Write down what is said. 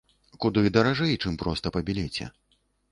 Куды даражэй, чым проста па білеце.